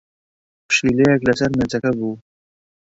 پشیلەیەک لەسەر مێزەکە بوو.